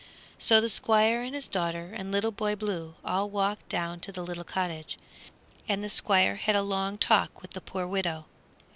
So the Squire and his daughter and Little Boy Blue all walked down to the little cottage, and the Squire had a long talk with the poor widow.